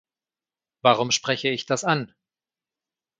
Warum spreche ich das an?